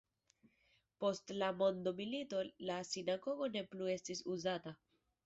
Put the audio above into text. Post la mondomilito la sinagogo ne plu estis uzata.